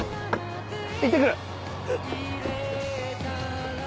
行ってくる。